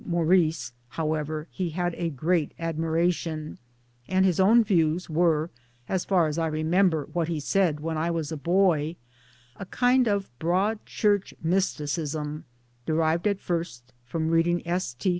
Maurice, however, he had a great admiration ; and his own views were as far as I remember what ihe said when I was a boy a kind of Broad Church mysticism, derived at first from reading S. T.